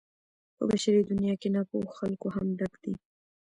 په بشري دنيا کې ناپوهو خلکو هم ډک دی.